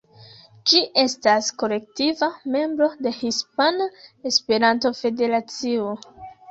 Ĝi estas kolektiva membro de Hispana Esperanto-Federacio.